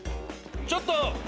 ちょっと！